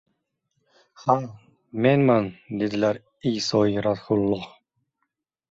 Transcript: -Ha, menman,- dedilar Iysoi Ruhulloh.